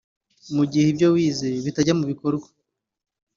Mu gihe ibyo wize bitarajya mu bikorwa